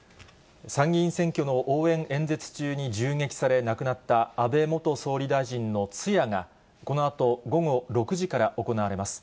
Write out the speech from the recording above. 参議院選挙の応援演説中に銃撃され亡くなった安倍元総理大臣の通夜がこのあと午後６時から行われます。